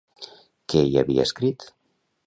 Què hi havia escrit?